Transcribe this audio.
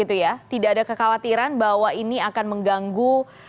tidak ada kekhawatiran bahwa ini akan mengganggu